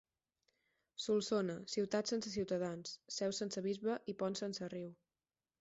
Solsona, ciutat sense ciutadans, seu sense bisbe i pont sense riu.